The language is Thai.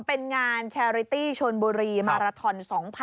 เป็นงานแชร์ริตี้ชนบุรีมาราทอน๒๐๑๖